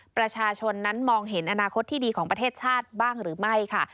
ประชาชนนั้นมองเห็นอนาคตที่ดีของประเทศชาติบ้างหรือไม่ค่ะ